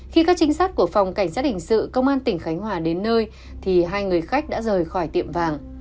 khi các trinh sát của phòng cảnh sát hình sự công an tỉnh khánh hòa đến nơi thì hai người khách đã rời khỏi tiệm vàng